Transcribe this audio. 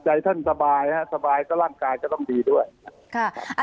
เช่นก็ต้องสบาย